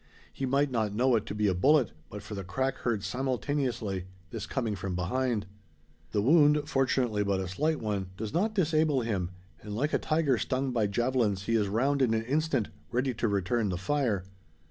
He might not know it to be a bullet, but for the crack heard simultaneously this coming from behind. The wound, fortunately but a slight one, does not disable him; and, like a tiger stung by javelins, he is round in an instant, ready to return the fire.